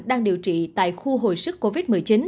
đang điều trị tại khu hồi sức covid một mươi chín